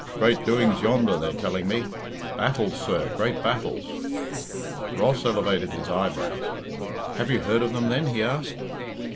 Great doings yonder, they're telling me. Battles, sir, great battles." Ross elevated his eyebrows. "Have you heard of them then?" he asked.